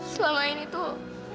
selama ini tuh